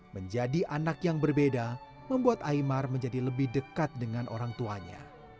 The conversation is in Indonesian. menjadi anak yang berbeda membuat aymar menjadi lebih dekat dengan orang tuanya